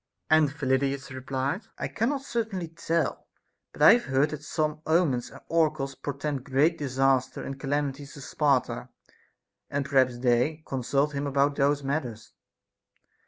And Phyllidas replied, 1 cannot certainly tell, but I have heard that some omens and oracles portend great disasters and calamities to Sparta ; and perhaps they con sult him about those matters.